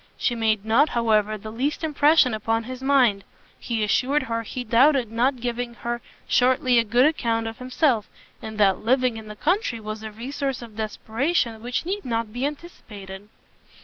She made not, however, the least impression upon his mind; he assured her he doubted not giving her shortly a good account of himself, and that living in the country was a resource of desperation which need not be anticipated.